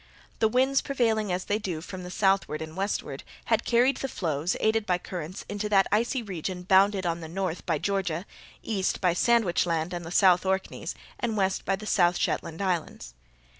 The winds, prevailing, as they do, from the southward and westward, had carried the floes, aided by currents, into that icy region bounded on the north by Georgia, east by Sandwich Land and the South Orkneys, and west by the South Shetland islands.